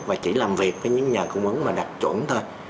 và chỉ làm việc với những nhà cung ứng mà đặc truẩn thôi